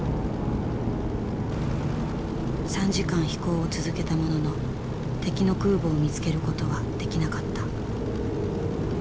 ３時間飛行を続けたものの敵の空母を見つけることはできなかった。